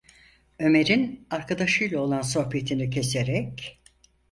Ömer’in, arkadaşıyla olan sohbetini keserek: